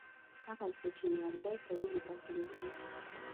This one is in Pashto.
هغسې چې نیالګی په ونې بدلېږي.